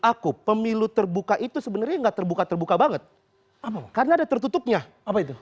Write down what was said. aku pemilu terbuka itu sebenarnya enggak terbuka terbuka banget apa karena ada tertutupnya apa itu